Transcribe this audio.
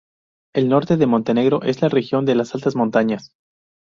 El norte de Montenegro es la región de las altas montañas.